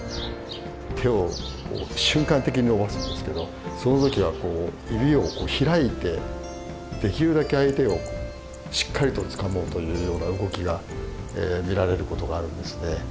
手を瞬間的に伸ばすんですけどその時はこう指を開いてできるだけ相手をしっかりとつかもうというような動きが見られることがあるんですね。